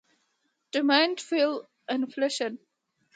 Demand pull Inflation